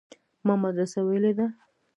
ما مدرسه ويلې ده.